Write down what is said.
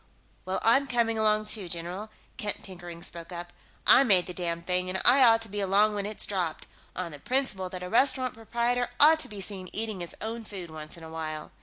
"Well I'm coming along, too, general," Kent Pickering spoke up. "I made the damned thing, and I ought to be along when it's dropped, on the principle that a restaurant proprietor ought to be seen eating his own food once in a while."